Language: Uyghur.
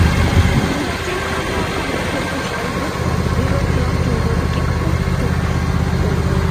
مۇنداقچە ئېيتقاندا، قاندىن يۇقۇش ئەيدىز ۋىرۇسىنىڭ جۇڭگودىكى ئاساسلىق يۇقۇش يولى.